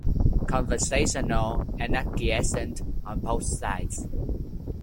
Conversational and acquiescent on both sides.